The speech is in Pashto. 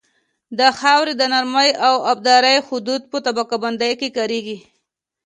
د خاورې د نرمۍ او ابدارۍ حدود په طبقه بندۍ کې کاریږي